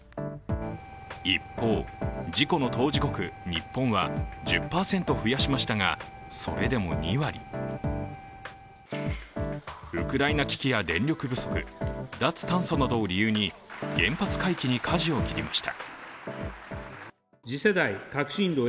一方、事故の当事国・日本は１０％増やしましたがそれでも２割、ウクライナ危機や電力不足、脱炭素などを理由に原発回帰にかじを切りました。